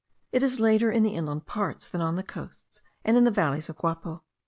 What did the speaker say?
It is later in the inland parts than on the coasts and in the valley of Guapo.